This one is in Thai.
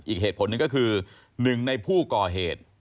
อีกเหตุผลหนึ่งก็คือหนึ่งในผู้ก่อเหตุ